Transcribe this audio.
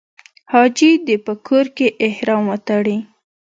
حاجي دې په کور کې احرام وتړي.